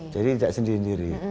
jadi tidak sendiri sendiri